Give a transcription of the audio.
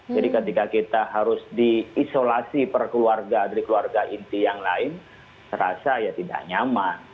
ketika kita harus diisolasi per keluarga dari keluarga inti yang lain terasa ya tidak nyaman